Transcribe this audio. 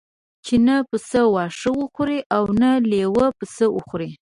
چې نه پسه واښه وخوري او نه لېوه پسه وخوري.